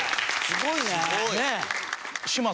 すごいね！